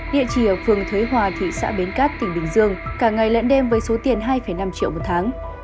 địa chỉ ở phường thới hòa thị xã bến cát tỉnh bình dương cả ngày lẫn đêm với số tiền hai năm triệu một tháng